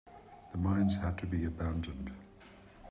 The mines had to be abandoned.